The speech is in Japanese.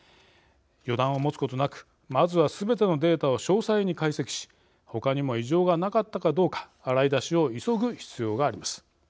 予断を持つことなくまずは、すべてのデータを詳細に解析し他にも異常がなかったかどうか洗い出しを急ぐ必要があります。